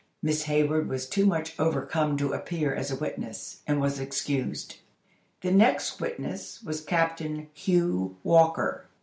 Miss Hayward was too much overcome to appear as a witness, and was excused. The next witness was Captain Hugh Walker.